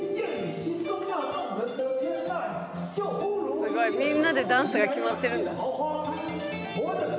すごいみんなでダンスが決まってるんだ。